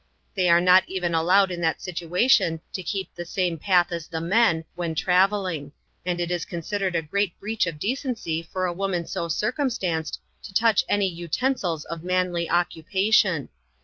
They are riot even allowed in 'that situation to keep the same path as the men, when travelling: and it is considered a great breach of decency for a woman so circumstanced to touch any uten sils of manly occupation.